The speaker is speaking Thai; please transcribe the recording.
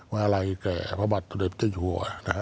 ว่าอะไรแก่พระบัตรตุเด็จเจ้าหัว